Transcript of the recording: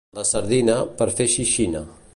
La sardina, per fer xixina.